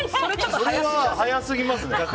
それは早すぎますね。